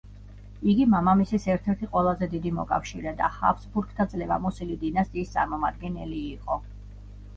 იგი მამამისის ერთ-ერთი ყველაზე დიდი მოკავშირე და ჰაბსბურგთა ძლევამოსილი დინასტიის წარმომადგენელი იყო.